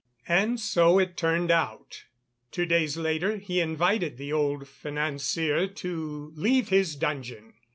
And so it turned out; two days later he invited the old financier to leave his dungeon.